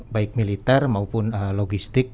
baik militer maupun logistik